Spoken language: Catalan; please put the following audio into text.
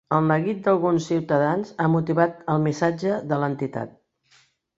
El neguit d'alguns ciutadans ha motivat el missatge de l'entitat.